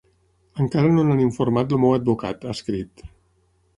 Encara no n’han informat el meu advocat, ha escrit.